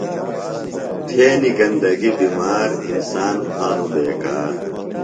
تھینیۡ گندگیۡ بِمار، انسان بھانوۡ بیکار